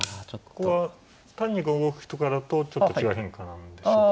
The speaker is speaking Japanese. ここは単に５五歩とかだとちょっと違う変化なんでしょうか。